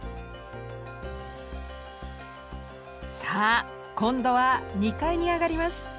さあ今度は２階に上がります。